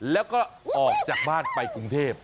แล้วก็ออกจากบ้านไปกรุงเทพ